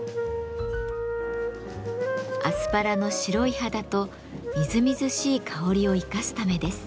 アスパラの白い肌とみずみずしい香りを生かすためです。